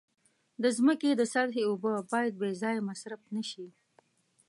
د ځمکې د سطحې اوبه باید بې ځایه مصرف نشي.